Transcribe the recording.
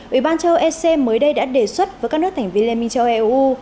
ủy ban châu ec mới đây đã đề xuất với các nước thành viên liên minh châu âu eu